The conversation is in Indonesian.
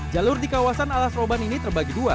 jalur di kawasan ala seroban ini terbagi dengan